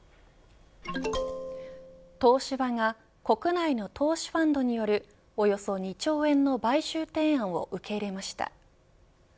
東芝が国内の投資ファンドによるおよそ２兆円の買収提案を受け入れました。